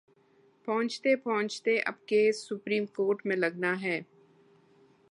پہنچتے پہنچتے اب کیس سپریم کورٹ میں لگناہے۔